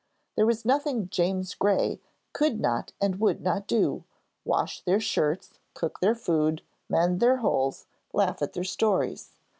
There was nothing 'James Gray' could not and would not do wash their shirts, cook their food, mend their holes, laugh at their stories.